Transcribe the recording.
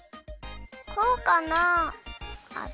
こうかな？